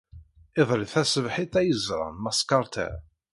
Iḍelli taṣebḥit ay ẓran Mass Carter.